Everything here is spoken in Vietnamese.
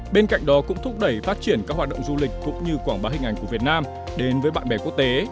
bên cạnh đó cũng thúc đẩy phát triển các hoạt động du lịch cũng như quảng bá hình ảnh của việt nam đến với bạn bè quốc tế